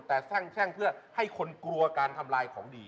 แต่แช่งเพื่อให้คนกลัวการทำลายของดี